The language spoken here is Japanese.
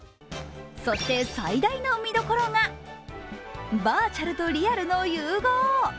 そして、最大の見どころが、バーチャルとリアルの融合。